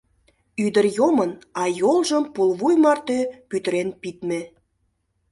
Ӱдыр йомын, а йолжым пулвуй марте пӱтырен пидме.